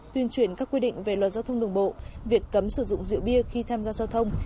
tuyên truyền các quy định về luật giao thông đường bộ việc cấm sử dụng rượu bia khi tham gia giao thông